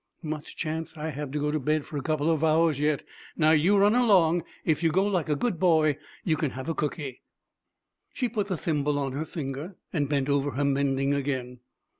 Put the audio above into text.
Much chance I have to go to bed for a couple of hours, yet! Now you run along. If you go like a good boy, you can have a cooky.' She put the thimble on her finger and bent over her mending again.